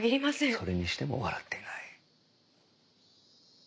それにしても笑っていない。